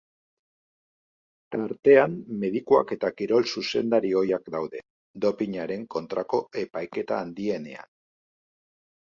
Tartean medikuak eta kirol zuzendari ohiak daude, dopinaren kontrako epaiketa handienean.